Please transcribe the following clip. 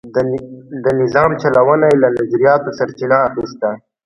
د نظام چلونه یې له نظریاتو سرچینه اخیسته.